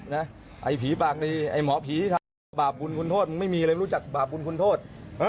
ไอ้ผีปากในไอ้หมอผีทำบาปบุญคุณโทษมันไม่มีอะไรรู้จักบาปบุญคุณโทษ